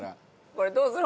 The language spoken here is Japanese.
これどうする？